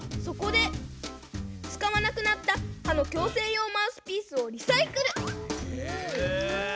そこでつかわなくなった歯の矯正用マウスピースをリサイクル。